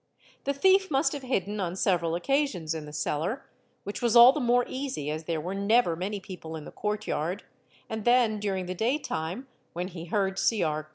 The thief must have hidden on several occasions — in the cellar, which was all the more easy as there were never' many people in the courtyard, and then during the day time, when he heard — Cr...